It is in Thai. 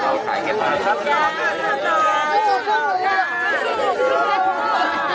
เขามาทำร้านนี้แพงนะคะนายก